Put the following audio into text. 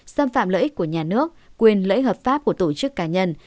xâm phạm lợi ích của nhà nước quyền lợi ích hợp pháp của tổ chức cá nhân